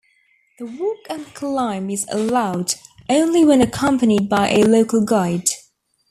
The walk and climb is allowed only when accompanied by a local guide.